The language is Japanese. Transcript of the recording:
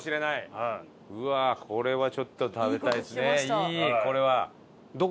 いいこれは。